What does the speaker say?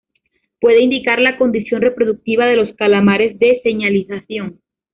Puede indicar la condición reproductiva de los calamares de señalización.